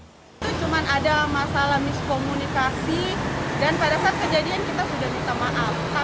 itu cuma ada masalah miskomunikasi dan pada saat kejadian kita sudah minta maaf